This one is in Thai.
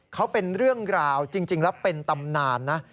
เขาเป็นเรื่องราวจริงแล้วเป็นตำนานนะ